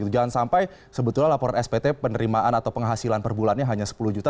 jangan sampai sebetulnya laporan spt penerimaan atau penghasilan per bulannya hanya sepuluh juta